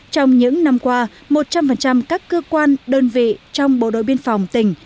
trong những năm qua một trăm linh các cơ quan đơn vị trong bộ đội biên phòng tỉnh